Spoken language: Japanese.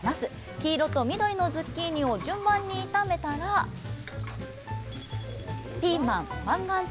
黄色と緑のズッキーニを順番に炒めたらピーマン万願寺